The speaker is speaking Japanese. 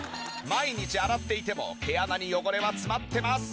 毎日洗っていても毛穴に汚れは詰まってます。